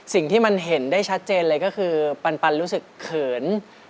สิ่งที่มันเห็นได้ชัดเจนเลยก็คือปันรู้สึกเขิน